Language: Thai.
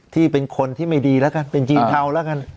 ที่เป็นคนที่ไม่ดีแล้วกันเป็นจีนเทาแล้วกัน